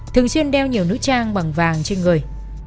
thường xuyên đeo nhiều nữ trang bằng vàng trên người